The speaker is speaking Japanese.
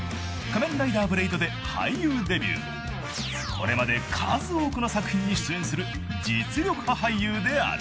［これまで数多くの作品に出演する実力派俳優である］